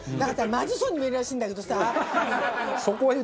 まずそうに見えるらしいんだけどさ。